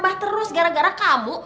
wah terus gara gara kamu